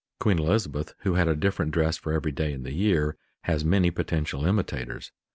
Queen Elizabeth, who had a different dress for every day in the year, has many potential imitators.